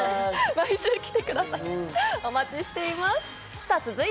毎週、来てください。